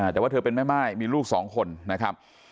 แต่ว่าเธอเป็นแม่ม่ายมีลูกสองคนนะครับ